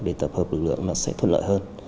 để tập hợp lực lượng nó sẽ thuận lợi hơn